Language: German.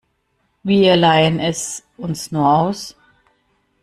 Wir leihen es uns nur aus.